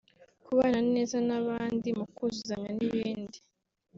kubana neza n’abandi mukuzuzanya n’ibindi